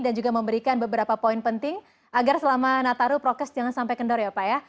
dan juga memberikan beberapa poin penting agar selama nataru prokes jangan sampai kendor ya pak ya